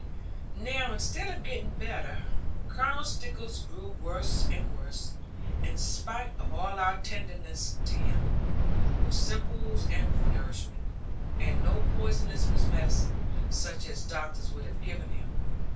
Now, instead of getting better, Colonel Stickles grew worse and worse, in spite of all our tendance of him, with simples and with nourishment, and no poisonous medicine, such as doctors would have given him.